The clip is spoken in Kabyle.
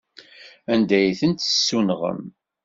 Anda ay tent-tessunɣem?